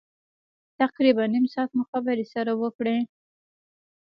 تقریبا نیم ساعت مو خبرې سره وکړې.